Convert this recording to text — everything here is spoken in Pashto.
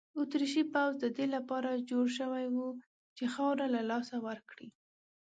اتریشي پوځ د دې لپاره جوړ شوی وو چې خاوره له لاسه ورکړي.